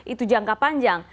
itu jangka panjang